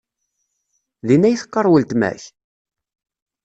Din ay teqqar weltma-k?